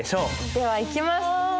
ではいきます。